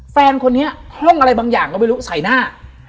แฟนคนนี้ห้องอะไรบางอย่างก็ไม่รู้ใส่หน้า